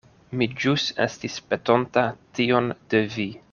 Mi ĵus estis petonta tion de vi.